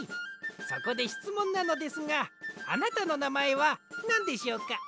そこでしつもんなのですがあなたのなまえはなんでしょうか？